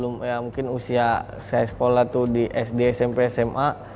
mungkin usia saya sekolah itu di smp sma